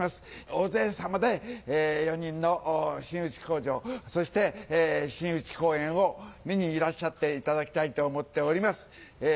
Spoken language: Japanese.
大勢さまで４人の真打口上そして真打公演を見にいらっしゃっていただきたいと思っております。